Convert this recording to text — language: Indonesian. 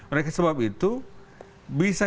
oleh sebab itu bisa